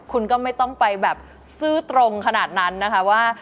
คุณก็ไม่ต้องไปแบบซื่อตรงขนาดนั้นนะคะว่า